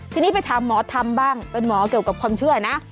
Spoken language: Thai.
ทีนี้ไปถามหมอทำบ้างเป็นหมอเกี่ยวกับความเชื่อนะ